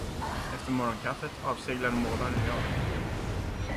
Efter morgonkaffet avseglade målarn och jag.